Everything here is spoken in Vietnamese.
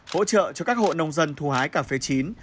hỗ trợ cho các hộ nông dân thu hái cà phê chín